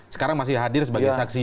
sekarang masih hadir sebagai saksi